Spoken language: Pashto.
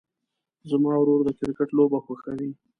زما ورور د کرکټ لوبه خوښوي.